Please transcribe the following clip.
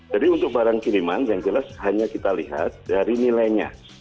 jadi untuk barang kiriman yang jelas hanya kita lihat dari nilainya